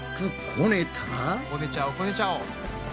こねちゃおうこねちゃおう。